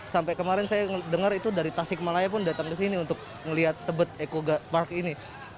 sampai kemarin saya dengar itu dari tasikmalaya pun datang ke sini untuk melihat tebet ecopark ini